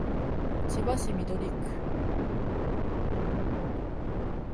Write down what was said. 千葉市緑区